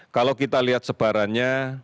kalau kita lihat sebarannya